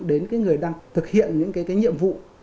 đến cái người đang thực hiện những cái nhiệm vụ